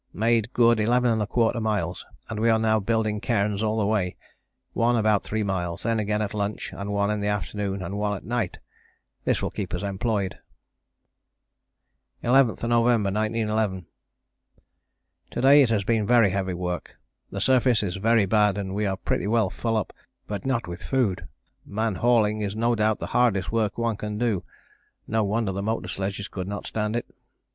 Made good 11¼ miles and we are now building cairns all the way, one about three miles: then again at lunch and one in the afternoon and one at night. This will keep us employed. "11th November 1911. "To day it has been very heavy work. The surface is very bad and we are pretty well full up, but not with food; man hauling is no doubt the hardest work one can do, no wonder the motor sledges could not stand it.